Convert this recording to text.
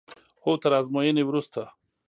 هو تر ازموینې وروسته.